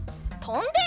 とんで！